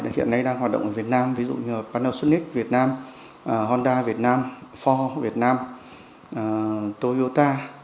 hiện nay đang hoạt động ở việt nam ví dụ như panasonic việt nam honda việt nam for việt nam toyota